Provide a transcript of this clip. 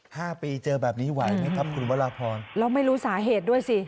ห้าปีเจอแบบนี้ไหวไหมครับคุณวราพรแล้วไม่รู้สาเหตุด้วยสิ